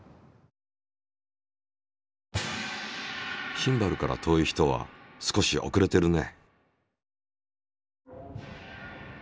シンバルから遠い人は少し遅れてるね。